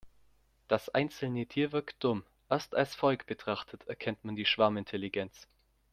Das einzelne Tier wirkt dumm, erst als Volk betrachtet erkennt man die Schwarmintelligenz.